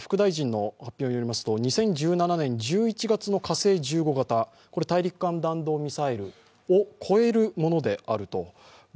発表によりますと、２０１７年１１月の大陸間弾道ミサイルを超えるものであると。